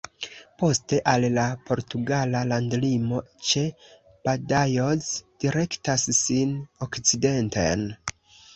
Poste al la portugala landlimo ĉe Badajoz direktas sin okcidenten.